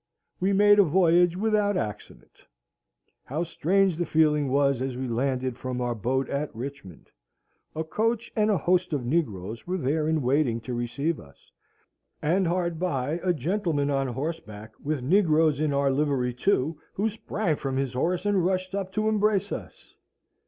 We made a voyage without accident. How strange the feeling was as we landed from our boat at Richmond! A coach and a host of negroes were there in waiting to receive us; and hard by a gentleman on horseback, with negroes in our livery, too, who sprang from his horse and rushed up to embrace us.